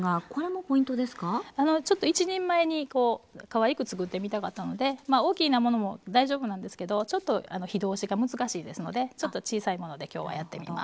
ちょっと１人前にかわいくつくってみたかったので大きなものも大丈夫なんですけどちょっと火通しが難しいですのでちょっと小さいもので今日はやってみます。